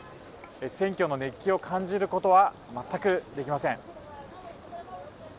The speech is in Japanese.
選挙の熱気を感じることは全くできません。